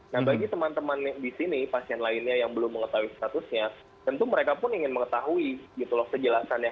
nah bagi teman teman di sini pasien lainnya yang belum mengetahui statusnya tentu mereka pun ingin mengetahui gitu loh kejelasannya